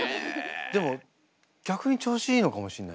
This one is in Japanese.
でも逆に調子いいのかもしれない。